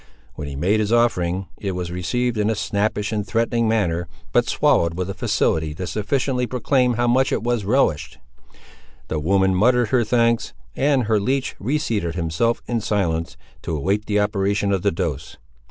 When he made his offering, it was received in a snappish and threatening manner, but swallowed with a facility that sufficiently proclaimed how much it was relished. The woman muttered her thanks, and her leech reseated himself in silence, to await the operation of the dose.